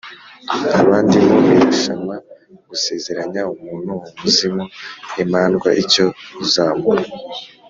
abandi mu irushanwa, gusezeranya umuntu, umuzimu, imandwaicyo uzamuha